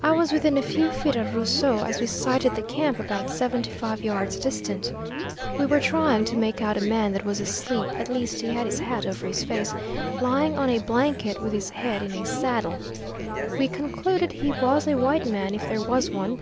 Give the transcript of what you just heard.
I was within a few feet of Rusou as we sighted the camp about seventy five yards distant. We were trying to make out a man that was asleep, at least he had his hat over his face, lying on a blanket with his head in a saddle. We concluded he was a white man, if there was one.